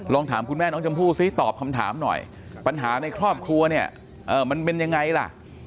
ถามคุณแม่น้องชมพู่ซิตอบคำถามหน่อยปัญหาในครอบครัวเนี่ยมันเป็นยังไงล่ะ